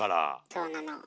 そうなの。